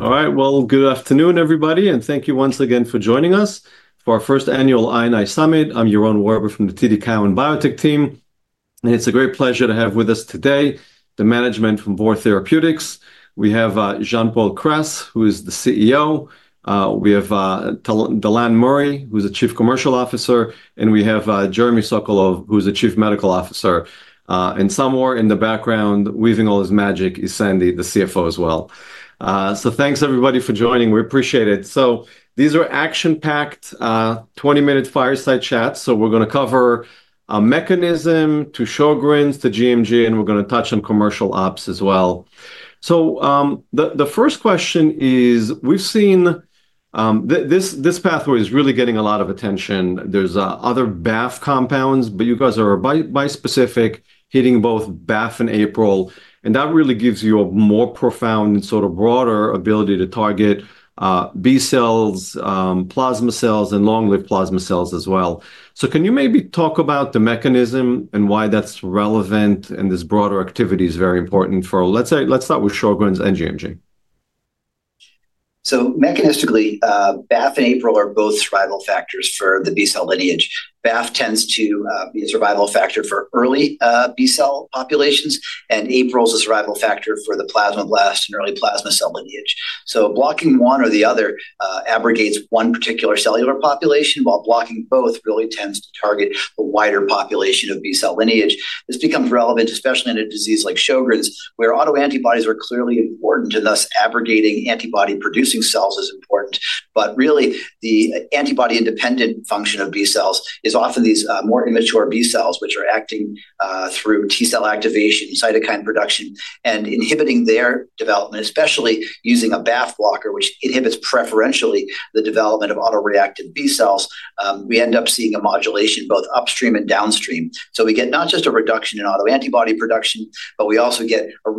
All right, good afternoon, everybody, and thank you once again for joining us for our First Annual INI Summit. I'm Jørn from the TD Cowen Biotech team, and it's a great pleasure to have with us today the management from Vor Therapeutics. We have Jean-Paul Kress, who is the CEO. We have Dallan Murray, who's Chief Commercial Officer, and we have Jeremy Sokolove, who's Chief Medical Officer. Somewhere in the background, weaving all his magic is Sandy, the CFO as well. Thank you, everybody, for joining. We appreciate it. These are action-packed 20-minute fireside chats. We're going to cover a mechanism to Sjogren's, to gMG, and we're going to touch on commercial ops as well. The first question is, we've seen this pathway is really getting a lot of attention. There's other BAFF compounds, but you guys are a bispecific hitting both BAFF and APRIL, and that really gives you a more profound and sort of broader ability to target B cells, plasma cells, and long-lived plasma cells as well. Can you maybe talk about the mechanism and why that's relevant and this broader activity is very important for, let's say, let's start with Sjogren's and gMG? Mechanistically, BAFF and APRIL are both survival factors for the B cell lineage. BAFF tends to be a survival factor for early B cell populations, and APRIL is a survival factor for the plasmablast and early plasma cell lineage. Blocking one or the other abrogates one particular cellular population, while blocking both really tends to target the wider population of B cell lineage. This becomes relevant, especially in a disease like Sjogren's, where autoantibodies are clearly important, and thus abrogating antibody-producing cells is important. Really, the antibody-independent function of B cells is often these more immature B cells, which are acting through T cell activation, cytokine production, and inhibiting their development, especially using a BAFF blocker, which inhibits preferentially the development of autoreactive B cells. We end up seeing a modulation both upstream and downstream. We get not just a reduction in autoantibody production, but we also get a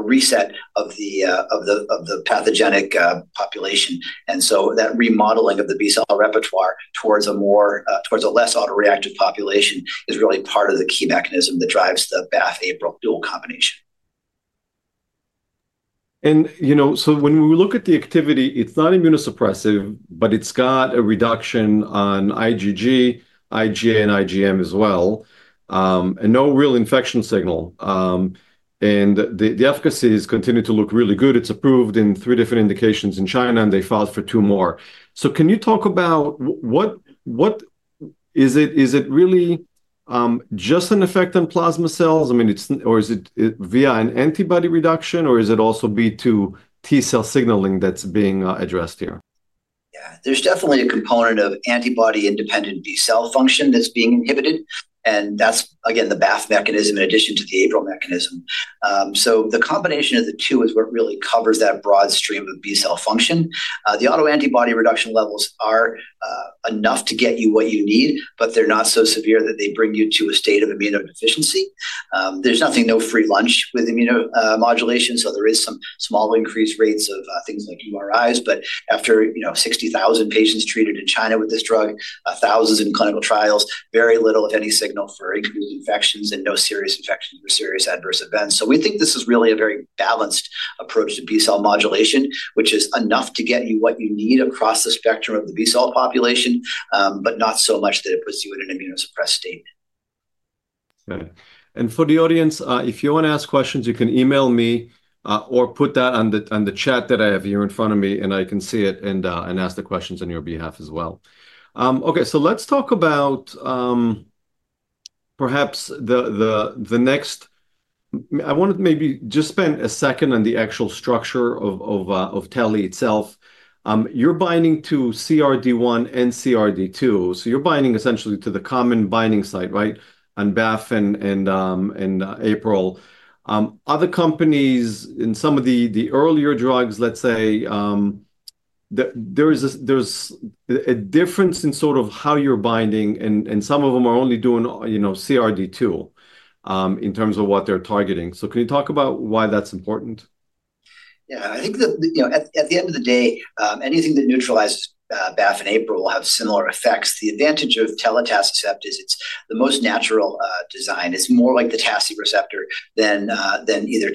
reset of the pathogenic population. That remodeling of the B cell repertoire towards a less autoreactive population is really part of the key mechanism that drives the BAFF-APRIL dual combination. When we look at the activity, it's not immunosuppressive, but it's got a reduction on IgG, IgA, and IgM as well, and no real infection signal. The efficacy has continued to look really good. It's approved in three different indications in China, and they filed for two more. Can you talk about what is it? Is it really just an effect on plasma cells? I mean, or is it via an antibody reduction, or is it also B2 T cell signaling that's being addressed here? Yeah, there's definitely a component of antibody-independent B cell function that's being inhibited. That's, again, the BAFF mechanism in addition to the APRIL mechanism. The combination of the two is what really covers that broad stream of B cell function. The autoantibody reduction levels are enough to get you what you need, but they're not so severe that they bring you to a state of immunodeficiency. There's nothing, no free lunch with immunomodulation. There are some small increased rates of things like URIs. After 60,000 patients treated in China with this drug, thousands in clinical trials, very little, if any, signal for increased infections and no serious infections or serious adverse events. We think this is really a very balanced approach to B cell modulation, which is enough to get you what you need across the spectrum of the B cell population, but not so much that it puts you in an immunosuppressed state. Okay. For the audience, if you want to ask questions, you can email me or put that on the chat that I have here in front of me, and I can see it and ask the questions on your behalf as well. Okay, let's talk about perhaps the next, I want to maybe just spend a second on the actual structure of Tele itself. You're binding to CRD1 and CRD2. You're binding essentially to the common binding site, right, on BAFF and APRIL. Other companies in some of the earlier drugs, let's say, there's a difference in sort of how you're binding, and some of them are only doing CRD2 in terms of what they're targeting. Can you talk about why that's important? Yeah, I think that at the end of the day, anything that neutralizes BAFF and APRIL will have similar effects. The advantage of telitacicept is it's the most natural design. It's more like the TACI receptor than either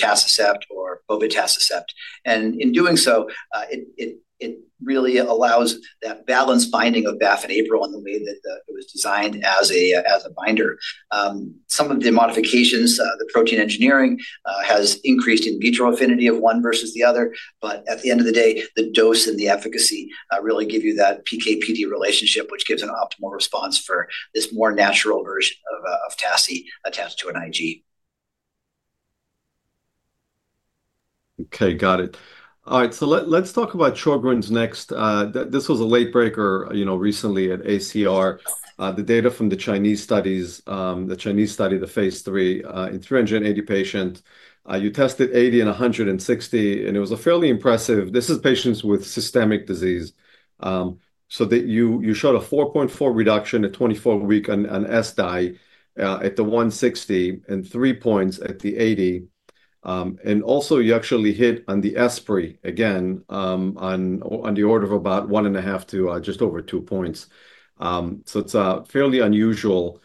atacicept or blisibimod. In doing so, it really allows that balanced binding of BAFF and APRIL in the way that it was designed as a binder. Some of the modifications, the protein engineering, has increased in vitro affinity of one versus the other. At the end of the day, the dose and the efficacy really give you that PK/PD relationship, which gives an optimal response for this more natural version of TACI attached to an Ig. Okay, got it. All right, so let's talk about Sjogren's next. This was a late breaker recently at ACR. The data from the Chinese studies, the Chinese study, the phase III in 380 patients, you tested 80 and 160, and it was fairly impressive. This is patients with systemic disease. So you showed a 4.4 reduction at 24 weeks on ESSDAI at the 160 and three points at the 80. And also, you actually hit on the ESSPRI again on the order of about one and a half to just over two points. It is fairly unusual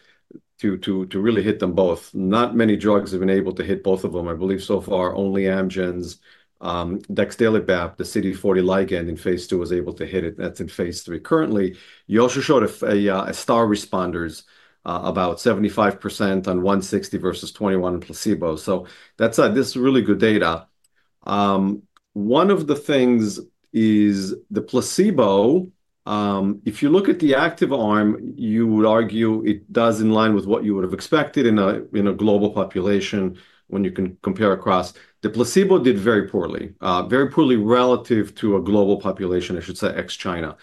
to really hit them both. Not many drugs have been able to hit both of them, I believe, so far. Only Amgen's Dexdalimab, the CD40 ligand inhibitor in phase II, was able to hit it. That is in phase III. Currently, you also showed a star responders, about 75% on 160 versus 21% in placebo. This is really good data. One of the things is the placebo, if you look at the active arm, you would argue it does in line with what you would have expected in a global population when you can compare across. The placebo did very poorly, very poorly relative to a global population, I should say, ex-China.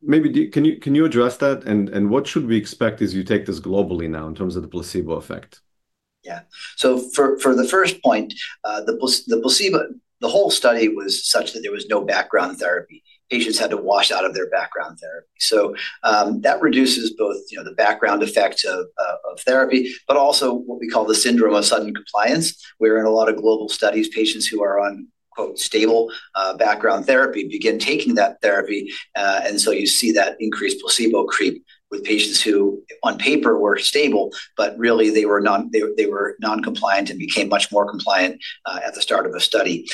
Maybe can you address that? What should we expect as you take this globally now in terms of the placebo effect? Yeah. For the first point, the placebo, the whole study was such that there was no background therapy. Patients had to wash out of their background therapy. That reduces both the background effects of therapy, but also what we call the syndrome of sudden compliance, where in a lot of global studies, patients who are on "stable" background therapy begin taking that therapy. You see that increased placebo creep with patients who on paper were stable, but really they were non-compliant and became much more compliant at the start of the study.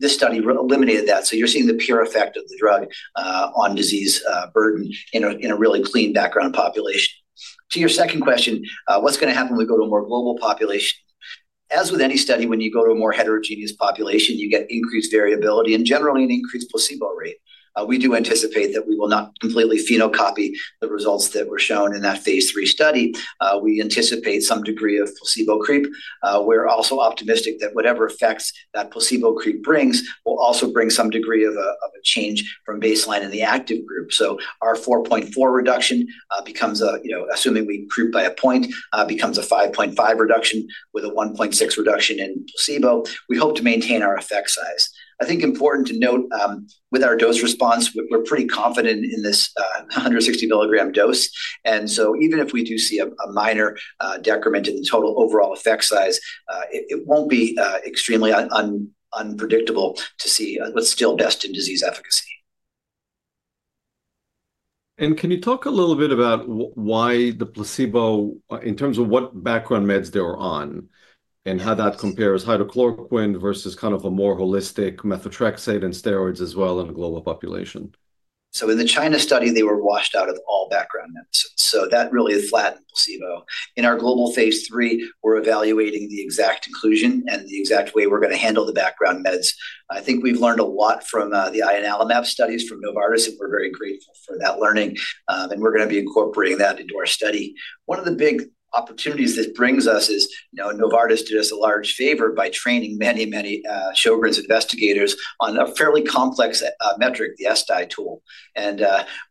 This study eliminated that. You are seeing the pure effect of the drug on disease burden in a really clean background population. To your second question, what is going to happen when we go to a more global population? As with any study, when you go to a more heterogeneous population, you get increased variability and generally an increased placebo rate. We do anticipate that we will not completely phenocopy the results that were shown in that phase III study. We anticipate some degree of placebo creep. We are also optimistic that whatever effects that placebo creep brings will also bring some degree of a change from baseline in the active group. So our 4.4 reduction becomes, assuming we creep by a point, becomes a 5.5 reduction with a 1.6 reduction in placebo. We hope to maintain our effect size. I think important to note with our dose response, we are pretty confident in this 160 milligram dose. And even if we do see a minor decrement in the total overall effect size, it will not be extremely unpredictable to see what is still best in disease efficacy. Can you talk a little bit about why the placebo in terms of what background meds they were on and how that compares hydroxychloroquine versus kind of a more holistic methotrexate and steroids as well in a global population? In the China study, they were washed out of all background meds. That really flattened placebo. In our global phase III, we're evaluating the exact inclusion and the exact way we're going to handle the background meds. I think we've learned a lot from the INLMAP studies from Novartis, and we're very grateful for that learning. We're going to be incorporating that into our study. One of the big opportunities this brings us is Novartis did us a large favor by training many, many Sjogren's investigators on a fairly complex metric, the ESSDAI tool.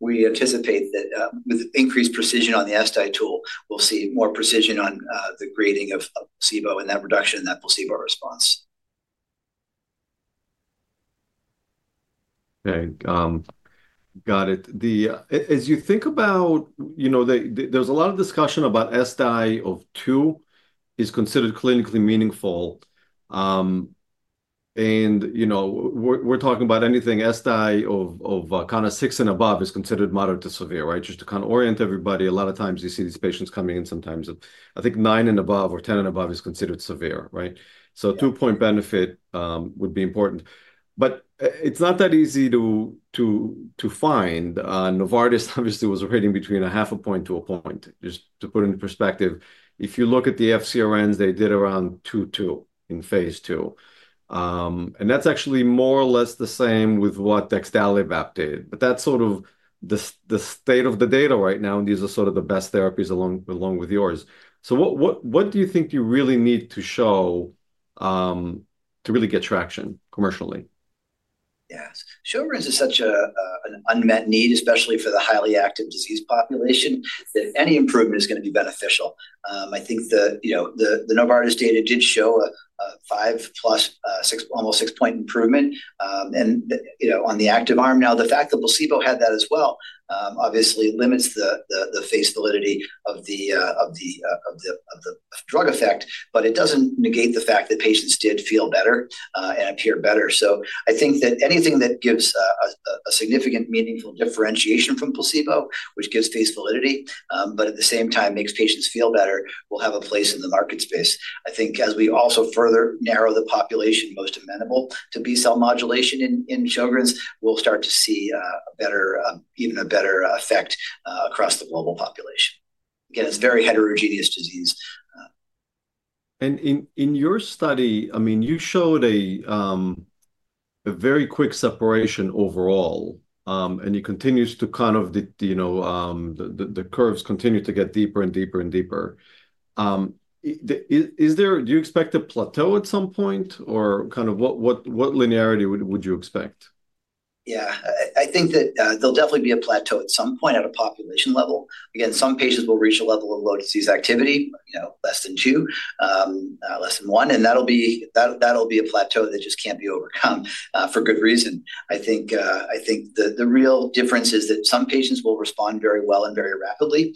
We anticipate that with increased precision on the ESSDAI tool, we'll see more precision on the grading of placebo and that reduction in that placebo response. Okay, got it. As you think about, there's a lot of discussion about ESSDAI of two is considered clinically meaningful. And we're talking about anything ESSDAI of kind of six and above is considered moderate to severe, right? Just to kind of orient everybody, a lot of times you see these patients coming in, sometimes I think nine and above or ten and above is considered severe, right? So two-point benefit would be important. But it's not that easy to find. Novartis obviously was rating between a half a point to a point. Just to put it into perspective, if you look at the FCRNs, they did around 2.2 in phase II. And that's actually more or less the same with what Dexdalimab did. But that's sort of the state of the data right now, and these are sort of the best therapies along with yours. What do you think you really need to show to really get traction commercially? Yes. Sjogren's is such an unmet need, especially for the highly active disease population, that any improvement is going to be beneficial. I think the Novartis data did show a five-plus, almost six-point improvement. On the active arm, now the fact that placebo had that as well obviously limits the phase validity of the drug effect, but it does not negate the fact that patients did feel better and appear better. I think that anything that gives a significant meaningful differentiation from placebo, which gives phase validity, but at the same time makes patients feel better, will have a place in the market space. I think as we also further narrow the population most amenable to B cell modulation in Sjogren's, we will start to see even a better effect across the global population. Again, it is a very heterogeneous disease. In your study, I mean, you showed a very quick separation overall, and it continues to kind of the curves continue to get deeper and deeper and deeper. Do you expect a plateau at some point, or kind of what linearity would you expect? Yeah, I think that there'll definitely be a plateau at some point at a population level. Again, some patients will reach a level of low disease activity, less than two, less than one. That'll be a plateau that just can't be overcome for good reason. I think the real difference is that some patients will respond very well and very rapidly.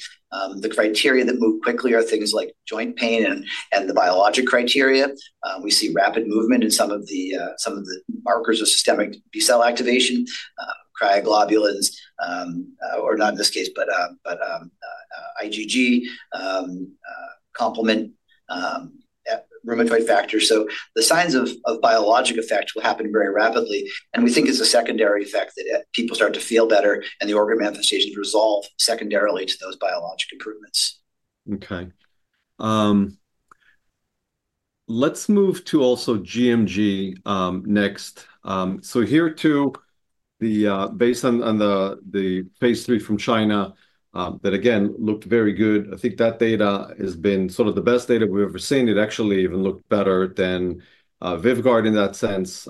The criteria that move quickly are things like joint pain and the biologic criteria. We see rapid movement in some of the markers of systemic B cell activation, cryoglobulins, or not in this case, but IgG, complement, rheumatoid factor. The signs of biologic effect will happen very rapidly. We think it's a secondary effect that people start to feel better and the organ manifestations resolve secondarily to those biologic improvements. Okay. Let's move to also gMG next. Here too, based on the phaseIII from China that again looked very good. I think that data has been sort of the best data we've ever seen. It actually even looked better than Vyvgart in that sense.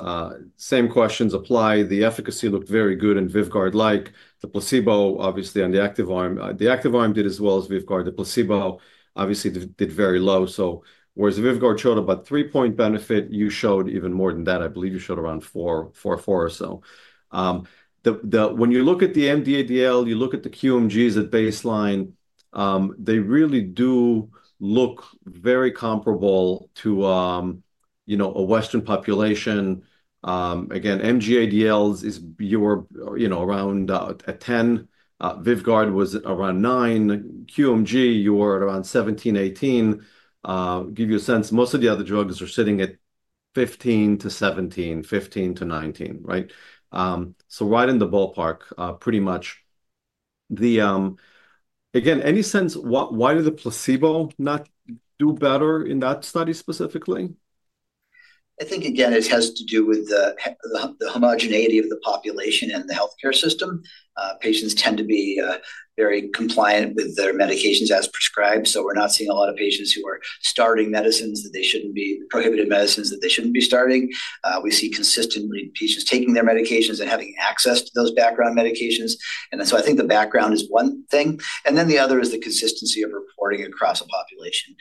Same questions apply. The efficacy looked very good and Vyvgart-like. The placebo, obviously on the active arm, the active arm did as well as Vyvgart. The placebo obviously did very low. Whereas Vyvgart showed about three-point benefit, you showed even more than that. I believe you showed around four or so. When you look at the MG-ADL, you look at the QMGs at baseline, they really do look very comparable to a Western population. Again, MG-ADL is around 10. Vyvgart was around 9. QMG, you were at around 17-18. Give you a sense, most of the other drugs are sitting at 15-17, 15-19, right? So right in the ballpark, pretty much. Again, any sense, why did the placebo not do better in that study specifically? I think, again, it has to do with the homogeneity of the population and the healthcare system. Patients tend to be very compliant with their medications as prescribed. We're not seeing a lot of patients who are starting medicines that they shouldn't be, prohibited medicines that they shouldn't be starting. We see consistently patients taking their medications and having access to those background medications. I think the background is one thing. The other is the consistency of reporting across a population.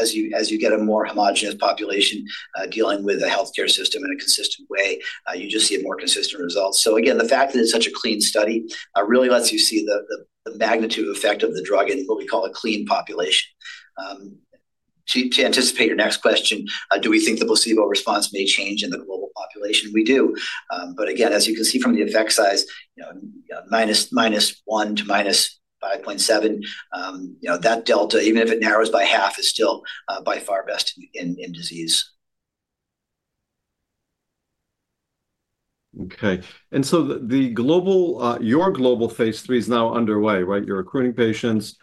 As you get a more homogeneous population dealing with a healthcare system in a consistent way, you just see a more consistent result. The fact that it's such a clean study really lets you see the magnitude of effect of the drug in what we call a clean population. To anticipate your next question, do we think the placebo response may change in the global population? We do. Again, as you can see from the effect size, minus one to minus 5.7, that delta, even if it narrows by half, is still by far best in disease. Okay. Your global phase III is now underway, right? You're recruiting patients.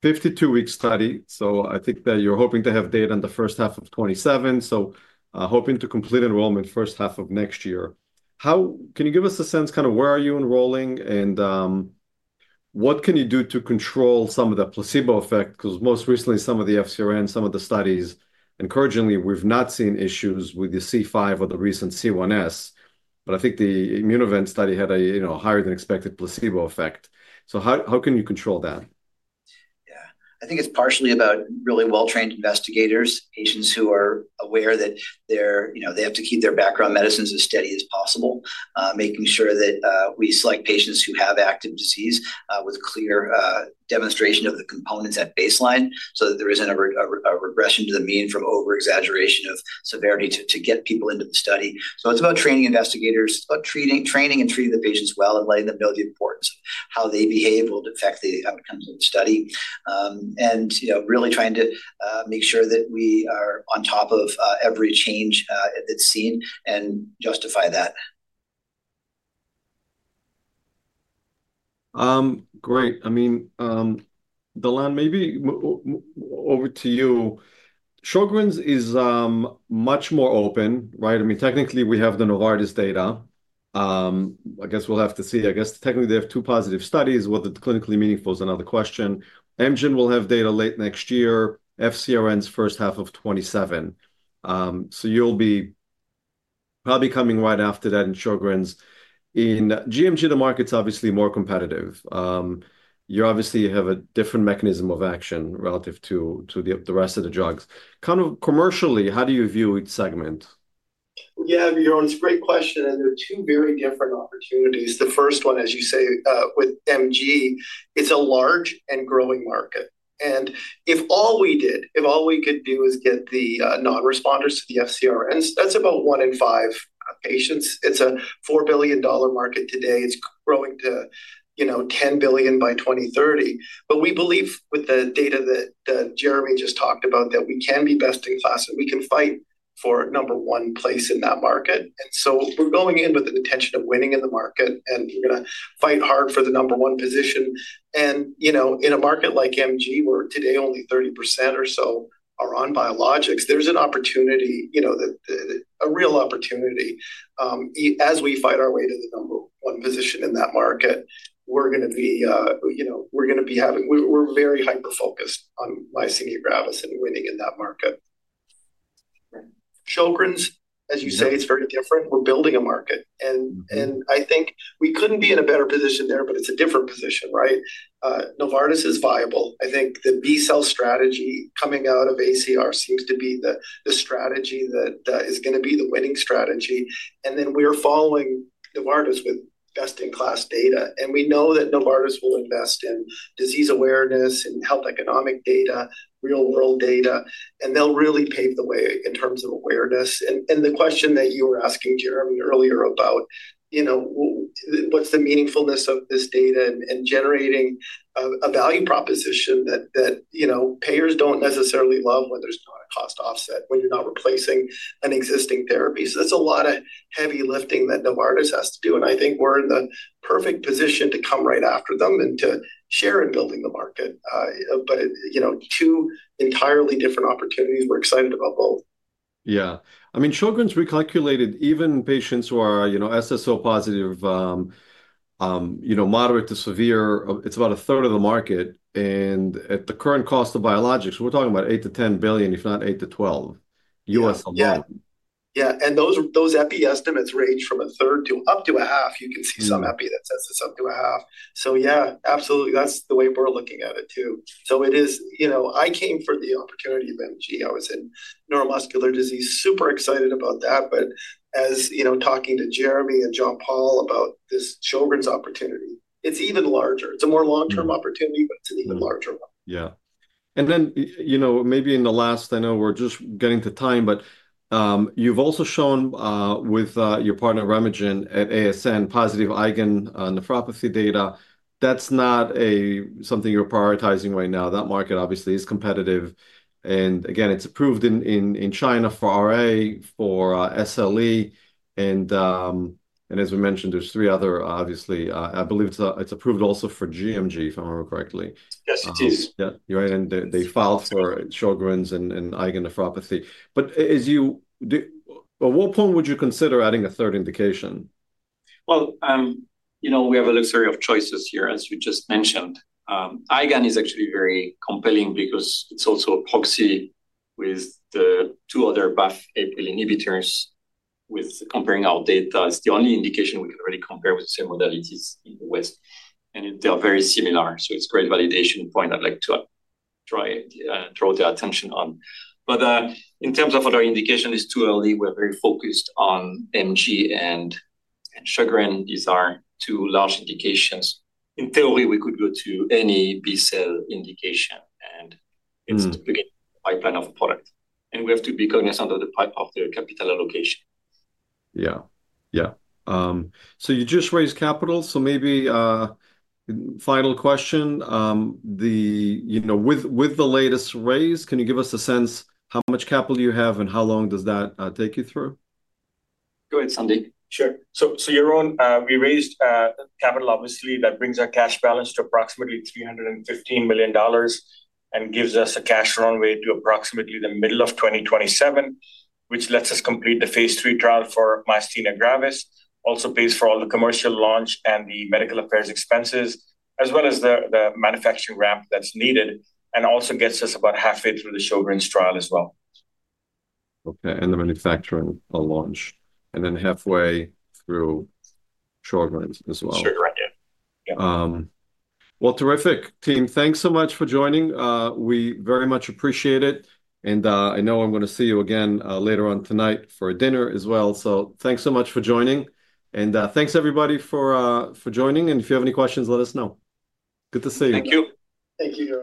Fifty-two-week study. I think that you're hoping to have data in the first half of 2027. Hoping to complete enrollment first half of next year. Can you give us a sense kind of where are you enrolling and what can you do to control some of the placebo effect? Most recently, some of the FCRN, some of the studies, encouragingly, we've not seen issues with the C5 or the recent C1S. I think the Immunovent study had a higher than expected placebo effect. How can you control that? Yeah. I think it's partially about really well-trained investigators, patients who are aware that they have to keep their background medicines as steady as possible, making sure that we select patients who have active disease with clear demonstration of the components at baseline so that there isn't a regression to the mean from overexaggeration of severity to get people into the study. It is about training investigators, about training and treating the patients well and letting them know the importance of how they behave will affect the outcomes of the study. Really trying to make sure that we are on top of every change that's seen and justify that. Great. I mean, Dallan, maybe over to you. Sjogren's is much more open, right? I mean, technically, we have the Novartis data. I guess we'll have to see. I guess technically they have two positive studies. Whether it's clinically meaningful is another question. Amgen will have data late next year. FCRN's first half of 2027. So you'll be probably coming right after that in Sjogren's. In gMG, the market's obviously more competitive. You obviously have a different mechanism of action relative to the rest of the drugs. Kind of commercially, how do you view each segment? Yeah, Jørn, it's a great question. There are two very different opportunities. The first one, as you say, with MG, it's a large and growing market. If all we did, if all we could do is get the non-responders to the FCRNs, that's about one in five patients. It's a $4 billion market today. It's growing to $10 billion by 2030. We believe with the data that Jeremy just talked about that we can be best in class and we can fight for number one place in that market. We are going in with an intention of winning in the market, and we're going to fight hard for the number one position. In a market like MG, where today only 30% or so are on biologics, there's an opportunity, a real opportunity. As we fight our way to the number one position in that market, we're going to be having, we're very hyper-focused on myasthenia gravis and winning in that market. Sjogren's, as you say, it's very different. We're building a market. I think we couldn't be in a better position there, but it's a different position, right? Novartis is viable. I think the B cell strategy coming out of ACR seems to be the strategy that is going to be the winning strategy. We're following Novartis with best-in-class data. We know that Novartis will invest in disease awareness and health economic data, real-world data. They'll really pave the way in terms of awareness. The question that you were asking, Jeremy, earlier about what's the meaningfulness of this data and generating a value proposition that payers don't necessarily love when there's not a cost offset, when you're not replacing an existing therapy. That is a lot of heavy lifting that Novartis has to do. I think we're in the perfect position to come right after them and to share in building the market. Two entirely different opportunities. We're excited about both. Yeah. I mean, Sjogren's recalculated, even patients who are SSO positive, moderate to severe, it's about a third of the market. And at the current cost of biologics, we're talking about $8 billion-$10 billion, if not $8 billion-$12 billion. Yeah. Yeah. And those EPI estimates range from a third to up to a half. You can see some EPI that says it's up to a half. Yeah, absolutely. That's the way we're looking at it too. I came for the opportunity of MG. I was in neuromuscular disease, super excited about that. As talking to Jeremy and Jean-Paul about this Sjogren's opportunity, it's even larger. It's a more long-term opportunity, but it's an even larger one. Yeah. And then maybe in the last, I know we're just getting to time, but you've also shown with your partner RemeGen at ASN positive IgA nephropathy data. That's not something you're prioritizing right now. That market obviously is competitive. Again, it's approved in China for RA, for SLE. And as we mentioned, there's three other, obviously, I believe it's approved also for gMG, if I remember correctly. Yes, it is. Yeah. Right. And they filed for Sjogren's and IgA nephropathy. At what point would you consider adding a third indication? We have a luxury of choices here, as you just mentioned. Eigen is actually very compelling because it's also a proxy with the two other BAFF APRIL inhibitors. With comparing our data, it's the only indication we can really compare with the same modalities in the West. They are very similar. It is a great validation point I would like to draw their attention on. In terms of other indications, it is too early. We are very focused on MG and Sjogren. These are two large indications. In theory, we could go to any B cell indication, and it is the pipeline of a product. We have to be cognizant of the capital allocation. Yeah. Yeah. You just raised capital. Maybe final question. With the latest raise, can you give us a sense how much capital you have and how long does that take you through? Go ahead, Sandy. Sure. Jørn, we raised capital, obviously, that brings our cash balance to approximately $315 million and gives us a cash runway to approximately the middle of 2027, which lets us complete the phase III trial for myasthenia gravis. Also pays for all the commercial launch and the medical affairs expenses, as well as the manufacturing ramp that's needed, and also gets us about halfway through the Sjogren's trial as well. Okay. The manufacturing launch. Then halfway through Sjogren's as well. Sure. Right. Yeah. Terrific. Team, thanks so much for joining. We very much appreciate it. I know I'm going to see you again later on tonight for dinner as well. Thanks so much for joining. Thanks, everybody, for joining. If you have any questions, let us know. Good to see you. Thank you. Thank you.